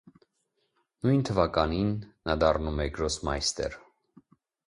Նույն թվականին նա դառնում է գրոսմայստեր։